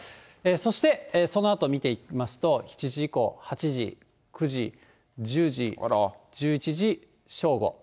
そしてそのあと見ていきますと、７時以降、８時、９時、１０時、１１時、正午。